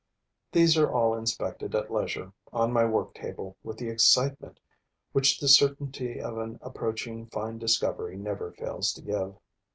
These are all inspected at leisure, on my work table, with the excitement which the certainty of an approaching fine discovery never fails to give.